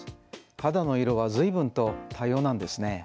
肌の色はずいぶんと多様なんですね。